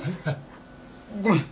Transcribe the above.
ごめん。